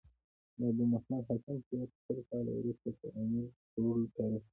د ابو محمد هاشم شعر سل کاله وروسته تر امیر کروړ تاريخ لري.